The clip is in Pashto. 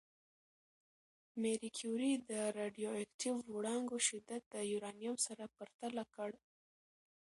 ماري کوري د راډیواکټیف وړانګو شدت د یورانیم سره پرتله کړ.